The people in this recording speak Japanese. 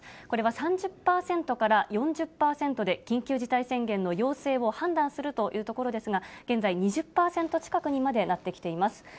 これは３０％から４０％で、緊急事態宣言の要請を判断するというところですが、現在、２０％近くにまでなってきています。